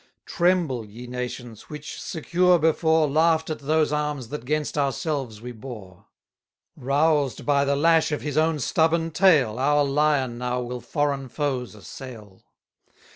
Tremble, ye nations, which, secure before, Laugh'd at those arms that 'gainst ourselves we bore; Roused by the lash of his own stubborn tail, Our lion now will foreign foes assail.